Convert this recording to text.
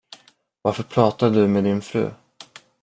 Varför pratade du med din fru?